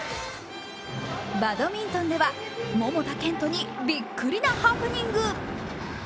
バドミントンでは桃田賢斗にびっくりなハプニング。